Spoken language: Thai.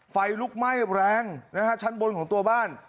ไฟลุกไหม้แรงนะฮะชั้นบนของตัวบ้าน